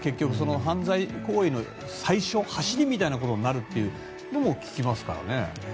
犯罪行為の最初走りみたいなことになるということも聞きますからね。